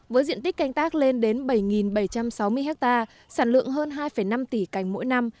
với diện tích canh tác lên đến bảy bảy trăm sáu mươi ha sản lượng hơn hai năm tỷ cành mỗi năm